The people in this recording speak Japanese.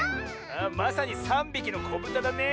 まさに「さんびきのこぶた」だねえ。